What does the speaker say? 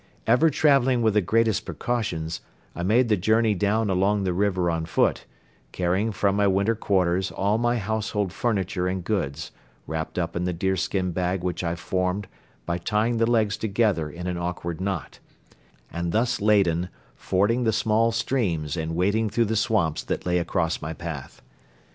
Ever traveling with the greatest precautions I made the journey down along the river on foot, carrying from my winter quarters all my household furniture and goods, wrapped up in the deerskin bag which I formed by tying the legs together in an awkward knot; and thus laden fording the small streams and wading through the swamps that lay across my path.